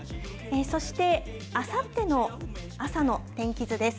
そしてあさっての朝の天気図です。